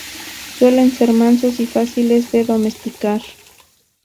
Suelen ser mansos y fáciles de domesticar.